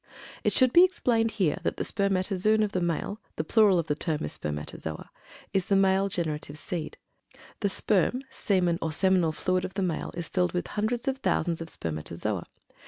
It should be explained here that the "spermatozoon" of the male (the plural of the term is "spermatozoa") is the male generative "seed." The sperum, semen, or seminal fluid of the male is filled with hundreds of thousands of spermatozoa.